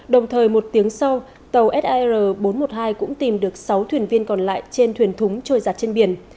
đồng thời một tiếng sau tàu sir bốn trăm một mươi hai cũng tìm được sáu thuyền viên còn lại trên thuyền thúng trôi giặt trên biển